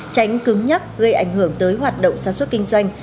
tránh cứng nhắc gây ảnh hưởng tới hoạt động sản xuất kinh doanh